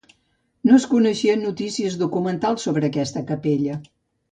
No es coneixen notícies documentals sobre aquesta capella.